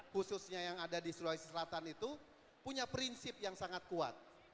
khususnya yang ada di sulawesi selatan itu punya prinsip yang sangat kuat